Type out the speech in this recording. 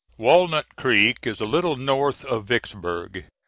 [Walnut Hills is a little north of Vicksburg.